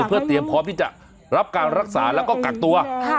เพื่อเตรียมพร้อมที่จะรับการรักษาแล้วก็กักตัว